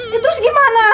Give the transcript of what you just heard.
ya terus gimana